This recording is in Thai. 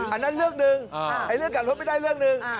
อันนั้นเรื่องหนึ่งเรื่องกลับรถไม่ได้เรื่องหนึ่ง